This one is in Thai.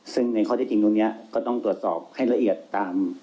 ซึ่งในข้อที่จริงตรงนี้ก็ต้องตรวจสอบให้ละเอียดตาม